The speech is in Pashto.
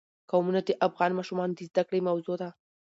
قومونه د افغان ماشومانو د زده کړې موضوع ده.